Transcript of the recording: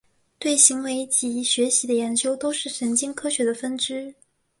对行为及学习的研究都是神经科学的分支。